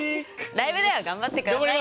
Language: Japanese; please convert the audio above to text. ライブでは頑張ってくださいよ。